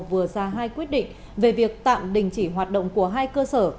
vừa ra hai quyết định về việc tạm đình chỉ hoạt động của hai cơ sở